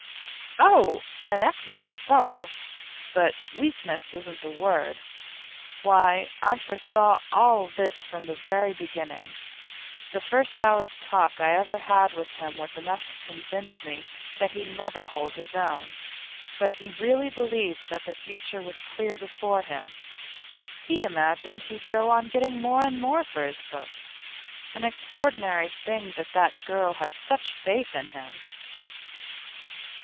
'Oh, an excellent fellow! But weakness isn't the word. Why, I foresaw all this from the very beginning. The first hour's talk I ever had with him was enough to convince me that he'd never hold his own. But he really believed that the future was clear before him; he imagined he'd go on getting more and more for his books. An extraordinary thing that that girl had such faith in him!